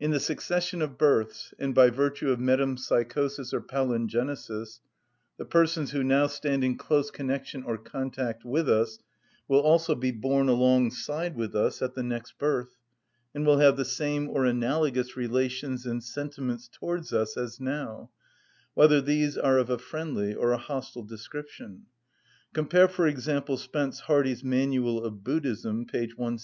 In the succession of births, and by virtue of metempsychosis or palingenesis, the persons who now stand in close connection or contact with us will also be born along with us at the next birth, and will have the same or analogous relations and sentiments towards us as now, whether these are of a friendly or a hostile description. (Cf., for example, Spence Hardy's "Manual of Buddhism," p. 162.)